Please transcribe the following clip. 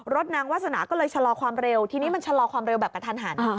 นางวาสนาก็เลยชะลอความเร็วทีนี้มันชะลอความเร็วแบบกระทันหัน